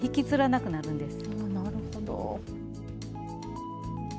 なるほど。